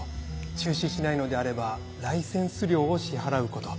中止しないのであればライセンス料を支払うこと」